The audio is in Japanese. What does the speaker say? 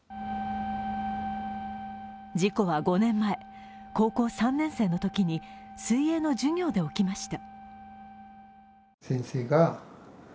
事故は５年前、高校３年生のときに水泳の授業で起きました。